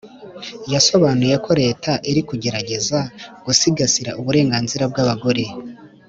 Yasobanuye ko leta iri kugerageza gusigasira uburenganzira bw’abagore